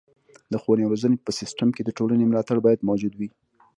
د ښوونې او روزنې په سیستم کې د ټولنې ملاتړ باید موجود وي.